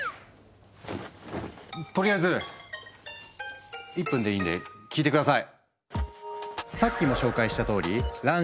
とりあえず１分でいいんで聞いて下さい。